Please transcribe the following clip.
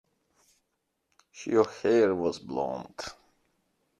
Her hair was blonde.